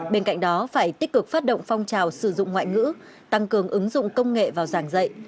bên cạnh đó phải tích cực phát động phong trào sử dụng ngoại ngữ tăng cường ứng dụng công nghệ vào giảng dạy